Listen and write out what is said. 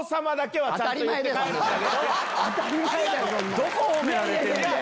どこ褒められてんねん！